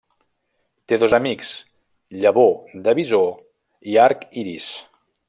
Té dos amics, Llavor de Bisó i Arc Iris.